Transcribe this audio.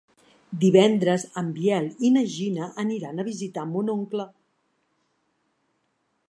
Divendres en Biel i na Gina aniran a visitar mon oncle.